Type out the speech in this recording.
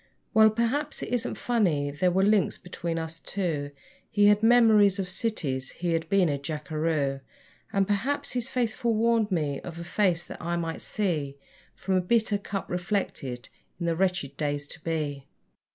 Well, perhaps, it isn't funny; there were links between us two He had memories of cities, he had been a jackeroo; And, perhaps, his face forewarned me of a face that I might see From a bitter cup reflected in the wretched days to be.